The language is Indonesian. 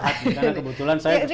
karena kebetulan saya